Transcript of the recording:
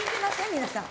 皆さん。